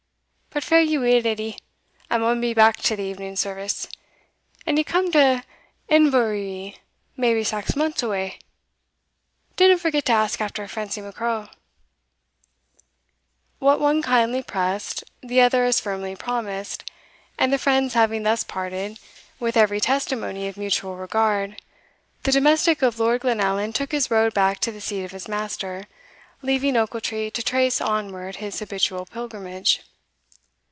But fare ye weel, Edie I maun be back to the evening service. An' ye come to Inverurie maybe sax months awa, dinna forget to ask after Francie Macraw." What one kindly pressed, the other as firmly promised; and the friends having thus parted, with every testimony of mutual regard, the domestic of Lord Glenallan took his road back to the seat of his master, leaving Ochiltree to trace onward his habitual pilgrimage.